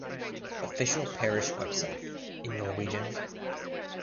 Official parish website (in Norwegian)